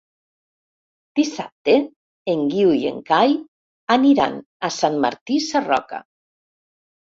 Dissabte en Guiu i en Cai aniran a Sant Martí Sarroca.